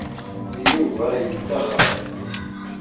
Yuba yettaxer.